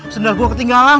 sendal gue ketinggalan